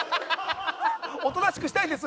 おとなしくしたいです。